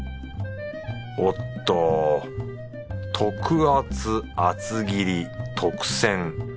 おっと特厚厚切り特選。